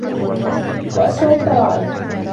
وَأَسْوَأِ الطَّرَائِقِ